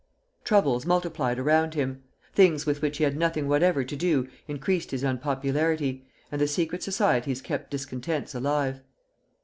Troubles multiplied around him. Things with which he had nothing whatever to do increased his unpopularity, and the secret societies kept discontents alive.